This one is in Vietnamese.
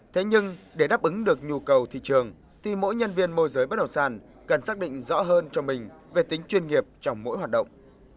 thế nhưng để đáp ứng được nhu cầu thị trường thì mỗi nhân viên môi giới bất động sản cần xác định rõ hơn cho mình về tính chuyên nghiệp trong mỗi hoạt động